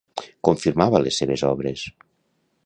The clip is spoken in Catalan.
Com firmava les seves obres?